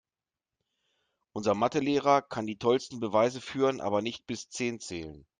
Unser Mathe-Lehrer kann die tollsten Beweise führen, aber nicht bis zehn zählen.